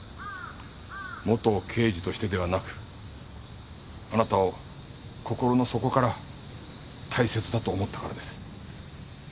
元刑事としてではなくあなたを心の底から大切だと思ったからです。